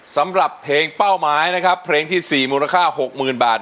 สำหรับเพลงเป้าหมายนะครับเพลงที่๔มูลค่า๖๐๐๐บาท